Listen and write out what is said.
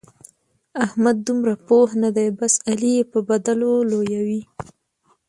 احمد دومره پوه نه دی؛ بس علي يې به بدلو لويوي.